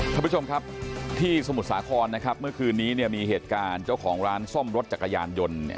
ท่านผู้ชมครับที่สมุทรสาครนะครับเมื่อคืนนี้เนี่ยมีเหตุการณ์เจ้าของร้านซ่อมรถจักรยานยนต์เนี่ย